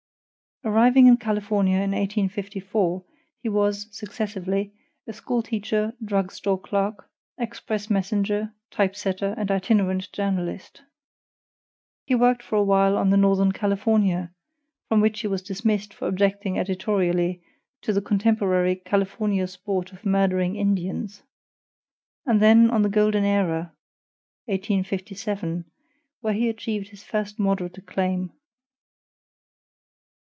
Arriving in California in 1854, he was, successively, a school teacher, drug store clerk, express messenger, typesetter, and itinerant journalist. He worked for a while on the NORTHERN CALIFORNIA (from which he was dismissed for objecting editorially to the contemporary California sport of murdering Indians), then on the GOLDEN ERA, 1857, where he achieved his first moderate acclaim.